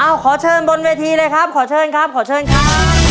เอ้าขอเชิญบนเวทีครับขอเชิญขอเชิญครับ